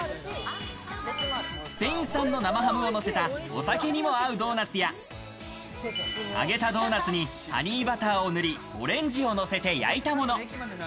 スペイン産の生ハムをのせたお酒にも合うドーナツや、揚げたドーナツにハニーバターを塗り、オレンジをのせて焼いたもの。